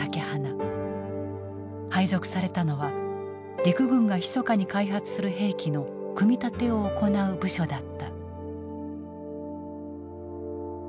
配属されたのは陸軍がひそかに開発する兵器の組み立てを行う部署だった。